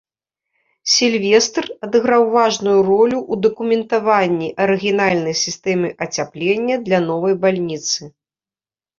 Сільвестр адыграў важную ролю ў дакументаванні арыгінальнай сістэмы ацяплення для новай бальніцы.